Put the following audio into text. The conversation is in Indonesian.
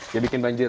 jadi bikin banjir